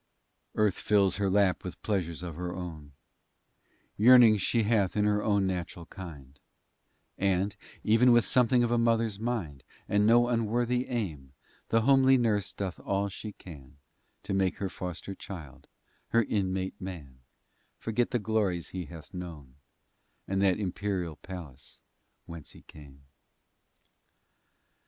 Earth fills her lap with pleasures of her own; Yearnings she hath in her own natural kind, And, even with something of a Mother's mind, And no unworthy aim, The homely Nurse doth all she can To make her Foster child, her Inmate Man, Forget the glories he hath known, And that imperial palace whence he came.